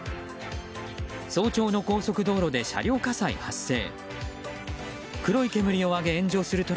早朝の高速道路で車両火災発生。